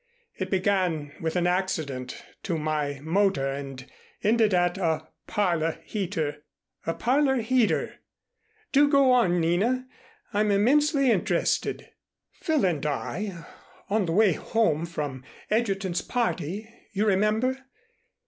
It began with an accident to my motor and ended at a Parlor Heater." "A Parlor Heater! Do go on, Nina. I'm immensely interested." "Phil and I, on the way home from Egerton's party, you remember?